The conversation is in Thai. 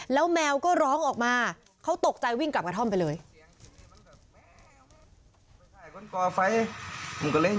แล้วแมวก็ร้องออกมาเขาตกใจวิ่งกลับกระท่อมไปเลย